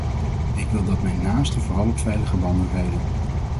Ik wil dat mijn naasten vooral op veilige banden rijden.